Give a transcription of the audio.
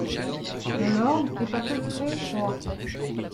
Le lord est à peu près roi.